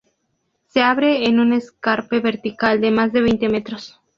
Se abre en un escarpe vertical de más de veinte metros.